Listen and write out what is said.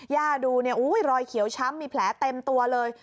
ย่าดูรอยเขียวช้ำมีแผลเต็มตัวเลย